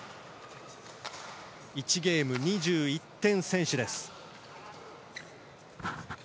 １ゲーム２１点先取です。